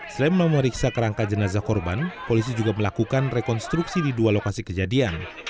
selain memeriksa kerangka jenazah korban polisi juga melakukan rekonstruksi di dua lokasi kejadian